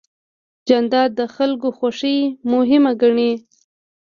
جانداد د خلکو خوښي مهمه ګڼي.